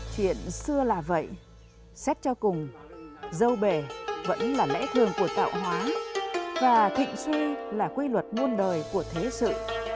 chuyện xưa là vậy xét cho cùng dâu bể vẫn là lẽ thường của tạo hóa và thịnh suy là quy luật muôn đời của thế sự